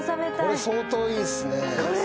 これ相当いいっすね。